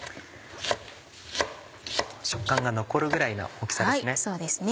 食感が残るぐらいの大きさですね。